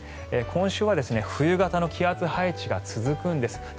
今週は冬型の気圧配置が続くんです。